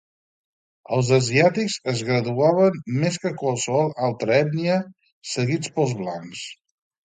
Els asiàtics es graduaven més que qualsevol altra ètnia, seguits pels blancs.